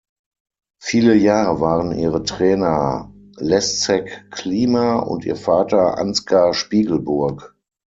Viele Jahre waren ihre Trainer Leszek Klima und ihr Vater Ansgar Spiegelburg.